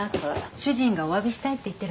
主人がおわびしたいって言ってるの。